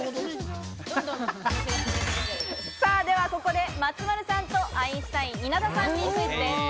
ではここで松丸さんとアインシュタイン・稲田さんにクイズです。